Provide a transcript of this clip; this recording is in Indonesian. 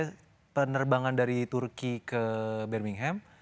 saya penerbangan dari turki ke birmingham